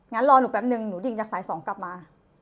งั้นรอหนูแป๊บนึงหนูดิ่งจากสาย๒กลับมา